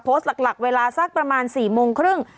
โพสต์หลักเวลาสักประมาณ๔๓๐น